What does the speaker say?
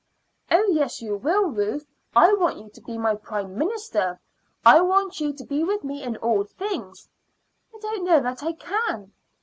"Oh, yes, you will, Ruth. I want you to be my Prime Minister, I want you to be with me in all things." "I don't know that I can."